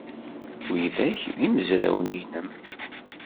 Widak d imezrawen-nnem?